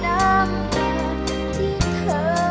จริง